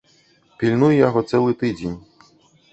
Пільнуй яго цэлы тыдзень.